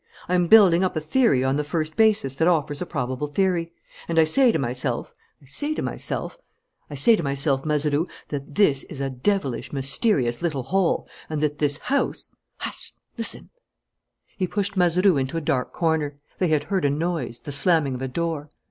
I am building up a theory on the first basis that offers a probable theory. And I say to myself ... I say to myself ... I say to myself, Mazeroux, that this is a devilish mysterious little hole and that this house Hush! Listen " He pushed Mazeroux into a dark corner. They had heard a noise, the slamming of a door.